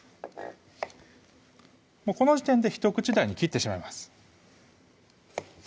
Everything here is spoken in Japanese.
この時点でひと口大に切ってしまいます